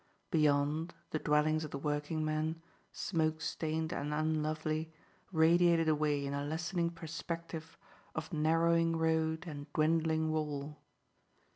Beyond, the dwellings of the workingmen, smoke stained and unlovely, radiated away in a lessening perspective of narrowing road and dwindling wall.